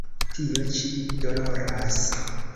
Tio ĉi doloras!